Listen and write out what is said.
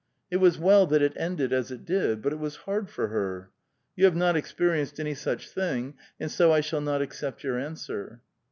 It was well that it ended as it did, but it was hard for her. You have not experienced any such thing, and so I shall not accept your answer."